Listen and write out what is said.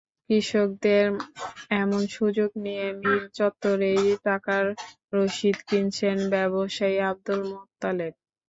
কৃষকদের এমন সুযোগ নিয়ে মিল চত্বরেই টাকার রসিদ কিনছেন ব্যবসায়ী আবদুল মোত্তালেব।